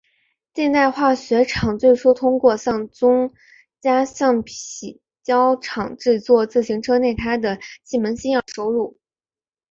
近代化学厂最初通过向宗家橡胶厂制作自行车内胎的气门芯而获取收入。